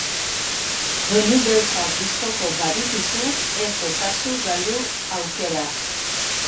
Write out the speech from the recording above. Doinu beltzak gustoko badituzu, ez ezazu galdu aukera!